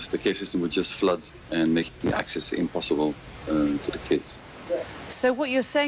เพื่อทำให้พวกมันไม่มีทางเข้าไป